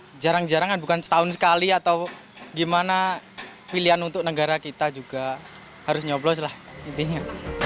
ya jarang jarang kan bukan setahun sekali atau gimana pilihan untuk negara kita juga harus nyoblos lah intinya